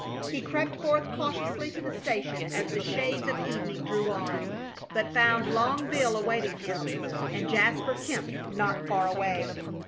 He crept forth cautiously to the station as the shades of evening drew on, but found Long Bill awaiting him, and Jasper Kemp not far away.